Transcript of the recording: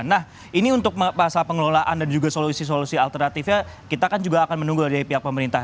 nah ini untuk masalah pengelolaan dan juga solusi solusi alternatifnya kita kan juga akan menunggu dari pihak pemerintah